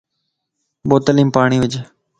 بوتلم پاڻين وج